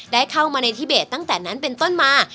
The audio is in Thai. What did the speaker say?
ได้เข้ามาในทิเบสตั้งแต่นั้นเป็นต้นมา